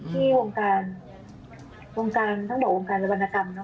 ที่วงการทั้งหมดวงการรวรรณกรรม